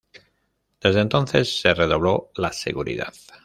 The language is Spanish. Desde entonces se redobló la seguridad.